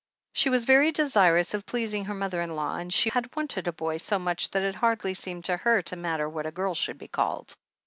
She was very desirous of pleasing her mother in law, and she had wanted a boy so much that it hardly seemed to her to matter what a girl should be called.